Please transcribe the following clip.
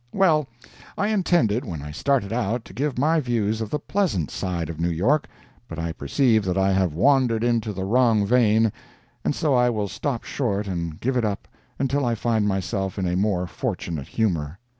Well, I intended, when I started out, to give my views of the pleasant side of New York, but I perceive that I have wandered into the wrong vein, and so I will stop short and give it up until I find myself in a more fortunate humor.